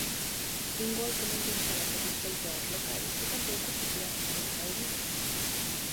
Un gol que non deixaba satisfeito aos locais e tampouco facía reaccionar ao líder.